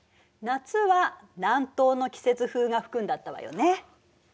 夏は南東の季節風が吹くんだったわよね。